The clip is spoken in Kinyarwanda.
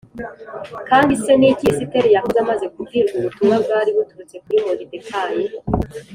kandi se ni iki Esiteri yakoze amaze kubwirwa ubutumwa bwari buturutse kuri Moridekayi